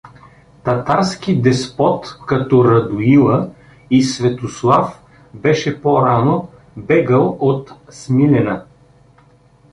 Татарски деспот Като Радоила, и Светослав беше, по-рано, бегал от Смилена.